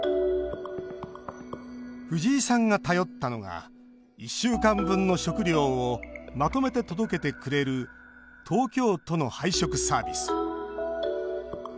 藤井さんが頼ったのが１週間分の食料をまとめて届けてくれる東京都の配食サービス。